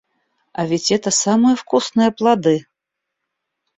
А ведь это самые вкусные плоды.